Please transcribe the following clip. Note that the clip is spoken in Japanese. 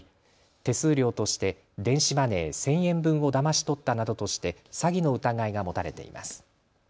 手数料として電子マネー１０００円分をだまし取ったなどとして詐欺の疑いが持たれています。